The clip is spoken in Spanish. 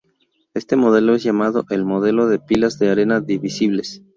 Este modelo es llamado el modelo de Pilas de Arena Divisibles.